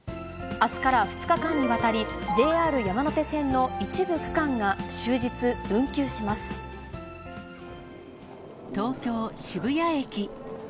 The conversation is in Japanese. あすから２日間にわたり、ＪＲ山手線の一部区間が、東京・渋谷駅。